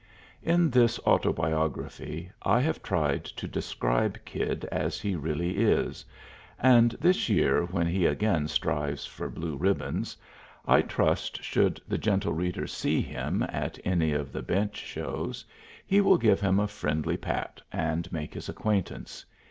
In this autobiography I have tried to describe Kid as he really is, and this year, when he again strives for blue ribbons, I trust, should the gentle reader see him at any of the bench shows, he will give him a friendly pat and make his acquaintance.